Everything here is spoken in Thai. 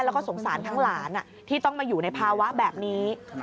แล้วก็สงสารทั้งหลานที่ต้องมาอยู่ในภาวะแบบนี้